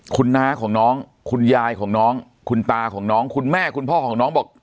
คุณน้าของน้องคุณยายของน้องคุณตาของน้องคุณแม่คุณพ่อของน้องบอก